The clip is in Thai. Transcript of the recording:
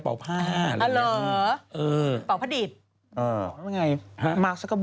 เป่าผดิป